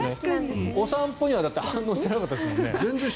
お散歩には反応していなかったですもんね。